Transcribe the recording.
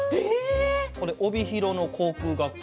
帯広の航空学校。